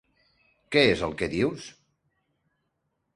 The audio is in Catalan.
-Què és el que dius?